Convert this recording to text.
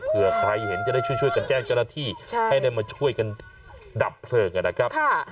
เพื่อใครเห็นจะได้ช่วยกันแจ้งเจ้าหน้าที่ให้ได้มาช่วยกันดับเพลิงนะครับ